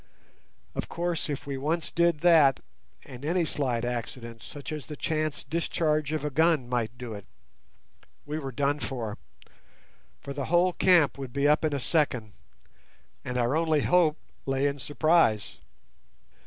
Of course if we once did that—and any slight accident, such as the chance discharge of a gun, might do it—we were done for, for the whole camp would be up in a second, and our only hope lay in surprise.